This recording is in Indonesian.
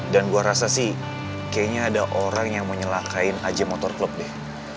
dan gue rasa sih kayaknya ada orang yang mau nyelakain aj motor club deh